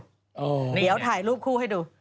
อ๋อนี่ไงเดี๋ยวถ่ายรูปคู่ให้ดู